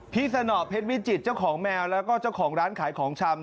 สนอเพชรวิจิตรเจ้าของแมวแล้วก็เจ้าของร้านขายของชำ